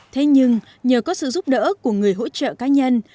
thế nhưng nhờ có sự giúp đỡ của người hỗ trợ cá nhân